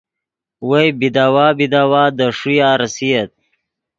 وئے بیداوا بیداوا دے ݰویہ ریسییت